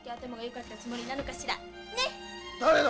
誰だ？